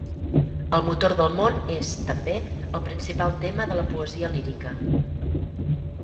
El motor del món és, també, el principal tema de la poesia lírica.